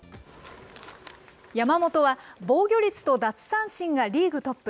山本は防御率と奪三振がリーグトップ。